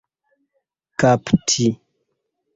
kapti